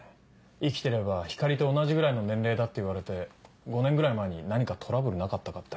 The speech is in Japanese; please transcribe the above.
生きてれば光莉と同じぐらいの年齢だって言われて５年ぐらい前に何かトラブルなかったかって。